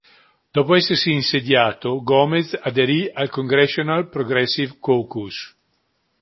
Dopo essersi insediato, Gomez aderì al Congressional Progressive Caucus.